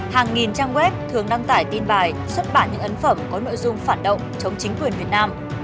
hàng nghìn trang web thường đăng tải tin bài xuất bản những ấn phẩm có nội dung phản động chống chính quyền việt nam